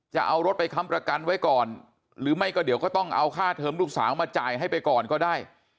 จะเอารถไปค้ำประกันไว้ก่อนหรือไม่ก็เดี๋ยวก็ต้องเอาค่าเทิมลูกสาวมาจ่ายให้ไปก่อนก็ได้